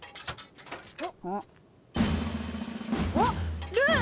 あっルー！